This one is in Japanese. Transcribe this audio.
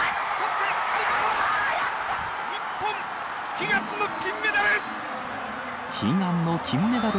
日本、悲願の金メダル！